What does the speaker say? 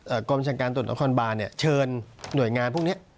เอ่อกรมจังการตรวจต้นความบาลเนี่ยเชิญหน่วยงานพวกเนี้ย